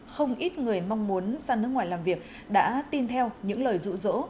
không ít người mong muốn sang nước ngoài làm việc đã tin theo những lời dụ dỗ